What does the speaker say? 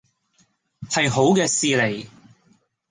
係好嘅事嚟